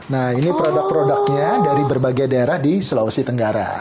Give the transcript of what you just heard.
nah ini produk produknya dari berbagai daerah di sulawesi tenggara